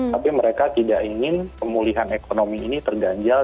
tapi mereka tidak ingin pemulihan ekonomi ini terganjal